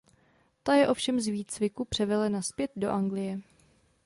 Ta je ovšem z výcviku převelena zpět do Anglie.